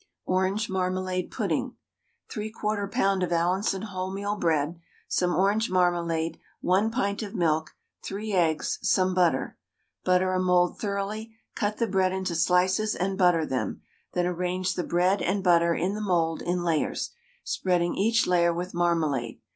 ORANGE MARMALADE PUDDING. 3/4 lb. of Allinson wholemeal bread, some orange marmalade, 1 pint of milk, 3 eggs, some butter. Butter a mould thoroughly, cut the bread into slices and butter them, then arrange the bread and butter in the mould in layers, spreading each layer with marmalade.